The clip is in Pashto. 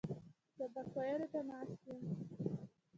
سبق ویلو ته ناست یم.